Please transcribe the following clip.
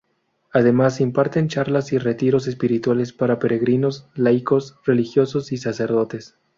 Además imparten charlas y retiros espirituales para peregrinos, laicos, religiosos y sacerdotes.